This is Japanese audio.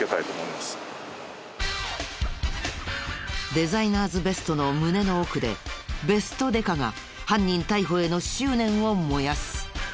デザイナーズベストの胸の奥でベストデカが犯人逮捕への執念を燃やす。